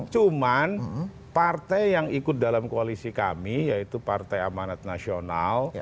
cuman partai yang ikut dalam koalisi kami yaitu partai amanat nasional